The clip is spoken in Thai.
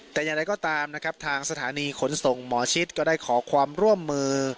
แต่อย่างไรก็ตามนะครับทางสถานีขนส่งหมอชิดก็ได้ขอความร่วมมือ